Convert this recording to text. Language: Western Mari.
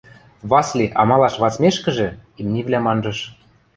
Васли, амалаш вацмешкӹжӹ, имнивлӓм анжыш.